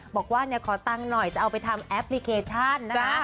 บอกว่าขอตังค์หน่อยจะเอาไปทำแอปพลิเคชันนะคะ